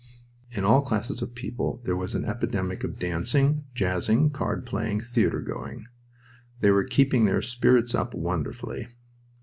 In all classes of people there was an epidemic of dancing, jazzing, card playing, theater going. They were keeping their spirits up wonderfully.